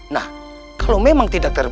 nah kalau memang tidak terlalu